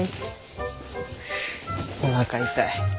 おなか痛い。